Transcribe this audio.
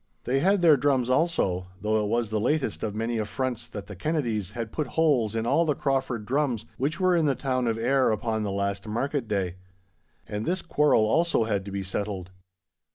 They had their drums also, though it was the latest of many affronts that the Kennedys had put holes in all the Crauford drums which were in the town of Ayr upon the last market day. And this quarrel also had to be settled.